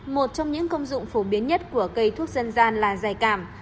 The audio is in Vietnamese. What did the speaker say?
một trong những công dụng phổ biến nhất của cây thuốc dân gian là dài cảm